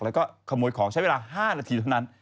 แล้วก็ขโมยของใช้เวลา๕นาทีเท่านั้น